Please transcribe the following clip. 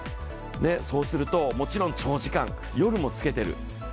そうすると、もちろん長時間、夜もつけてる。